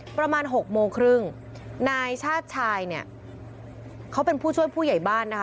ประมาณหกโมงครึ่งนายชาติชายเนี่ยเขาเป็นผู้ช่วยผู้ใหญ่บ้านนะคะ